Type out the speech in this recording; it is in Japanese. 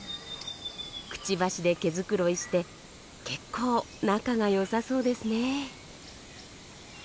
クチバシで毛づくろいして結構仲がよさそうですね。